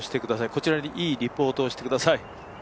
こちらにいいリポートをしてください。